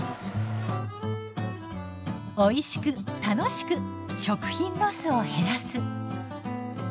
おいしく楽しく食品ロスを減らす。